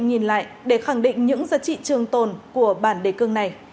nhìn lại để khẳng định những giá trị trường tồn của bản đề cương này